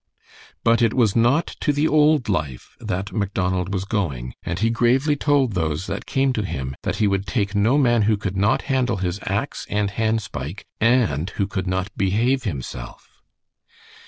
But it was not to the old life that Macdonald was going, and he gravely told those that came to him that he would take no man who could not handle his axe and hand spike, and who could not behave himself.